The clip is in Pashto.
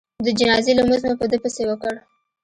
د جنازې لمونځ مو په ده پسې وکړ.